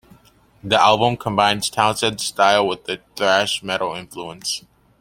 The album combines Townsend's style with a thrash metal influence.